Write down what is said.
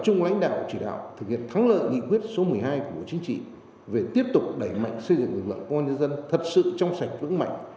trung lãnh đạo chỉ đạo thực hiện thắng lợi nghị quyết số một mươi hai của bộ chính trị về tiếp tục đẩy mạnh xây dựng lực lượng công an nhân dân thật sự trong sạch vững mạnh